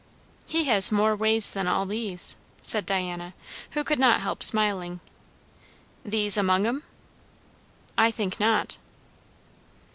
"He has more ways than all these," said Diana, who could not help smiling. "These among 'em?" "I think not."